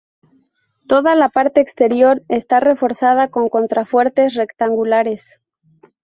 Toda la parte exterior está reforzada con contrafuertes rectangulares.